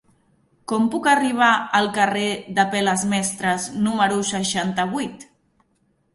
Com puc arribar al carrer d'Apel·les Mestres número seixanta-vuit?